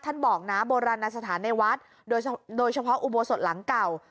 บอกนะโบราณสถานในวัดโดยเฉพาะอุโบสถหลังเก่า